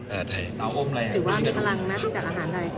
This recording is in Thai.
ถือว่ามีพลังมากจากอาหารไทย